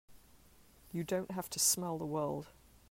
You don't have to smell the world!